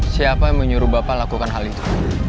siapa yang menyuruh bapak lakukan hal itu